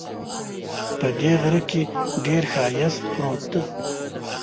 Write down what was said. په دې غره کې ډېر ښایست پروت ده